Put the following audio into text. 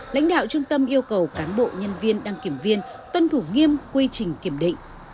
lãnh đạo trung tâm yêu cầu cán bộ nhân viên đăng kiểm viên tuân thủ nghiêm quy trình kiểm định